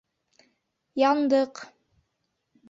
Яндыҡ!